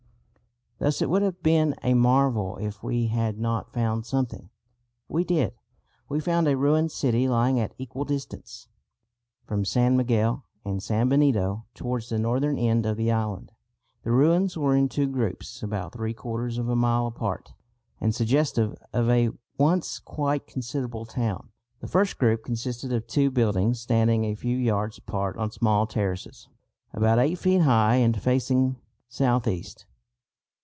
Thus it would have been a marvel if we had not found something. We did. We found a ruined city lying at equal distance from San Miguel and San Benito towards the northern end of the island. The ruins were in two groups about three quarters of a mile apart, and suggestive of a once quite considerable town. The first group consisted of two buildings standing a few yards apart on small terraces about 8 feet high and facing south east.